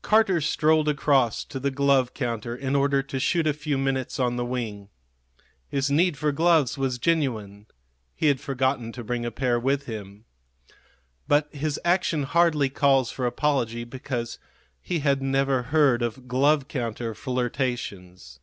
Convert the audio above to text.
Carter strolled across to the glove counter in order to shoot a few minutes on the wing. His need for gloves was genuine; he had forgotten to bring a pair with him. But his action hardly calls for apology, because he had never heard of glove counter flirtations.